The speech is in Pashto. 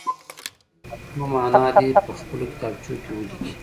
د لغتونو معنا دې په خپلو کتابچو کې ولیکي.